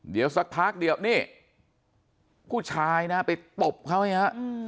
เดี๋ยวสักพักเดียวนี่ผู้ชายนะไปตบเขาอย่างนี้ฮะ